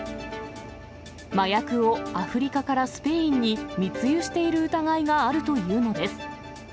麻薬をアフリカからスペインに密輸している疑いがあるというのです。